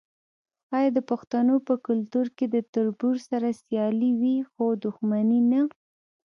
آیا د پښتنو په کلتور کې د تربور سره سیالي وي خو دښمني نه؟